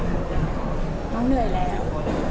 น้องเหนื่อยแล้ว